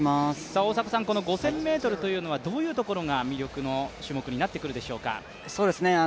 ５０００ｍというのはどういうところが魅力の種目になってくるでしょうか。